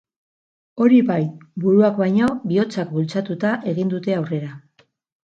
Hori bai, buruak baino, bihotzak bultzatuta egin dute aurrera.